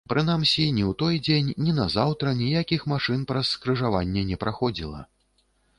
Прынамсі, ні ў той дзень, ні назаўтра ніякіх машын праз скрыжаванне не праходзіла.